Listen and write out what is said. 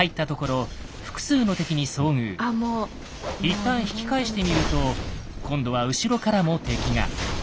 一旦引き返してみると今度は後ろからも敵が。